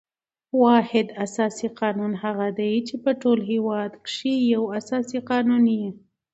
واحد اساسي قانون هغه دئ، چي په ټول هیواد کښي یو اساسي قانون يي.